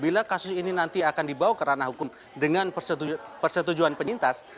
bila kasus ini nanti akan dibawa ke ranah hukum dengan persetujuan penyintas